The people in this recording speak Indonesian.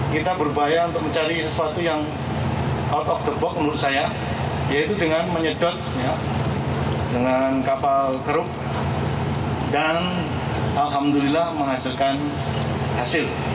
kita berupaya untuk mencari sesuatu yang out of the box menurut saya yaitu dengan menyedot dengan kapal kerup dan alhamdulillah menghasilkan hasil